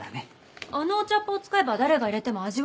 あのお茶っ葉を使えば誰が入れても味は。